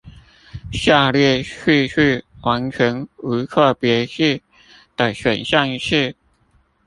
下列敘述完全無錯別字的選項是